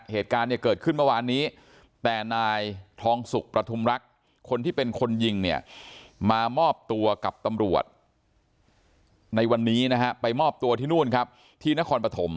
เหตุการณ์เนี่ยเกิดขึ้นเมื่อวานนี้แต่นายทองสุกประทุมรักคนที่เป็นคนยิงเนี่ยมามอบตัวกับตำรวจในวันนี้นะฮะไปมอบตัวที่นู่นครับที่นครปฐม